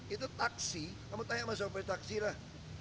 itu taksi kamu tanya sama siapa taksi lah